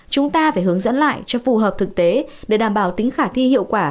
chúng ta phải hướng dẫn lại cho phù hợp thực tế để đảm bảo tính khả thi hiệu quả